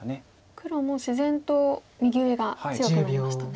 黒も自然と右上が強くなりましたね。